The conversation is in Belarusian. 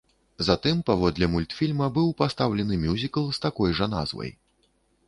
Затым паводле мультфільма быў пастаўлены мюзікл з такой жа назвай.